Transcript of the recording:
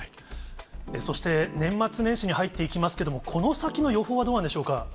そして年末年始に入っていきますけれども、この先の予報はどうなんでしょうか。